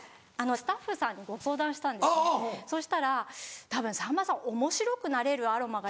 スタッフさんにご相談したんですそしたら「たぶんさんまさんおもしろくなれるアロマがいいんじゃないかな」。